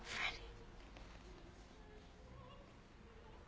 はい。